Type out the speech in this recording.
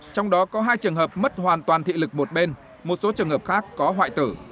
trong đó có hai trường hợp mất hoàn toàn thị lực một bên một số trường hợp khác có hoại tử